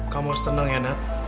kamu harus tenang ya nat